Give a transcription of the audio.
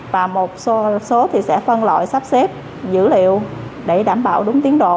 và một số thì sẽ phân loại sắp xếp dữ liệu để đảm bảo đúng tiến độ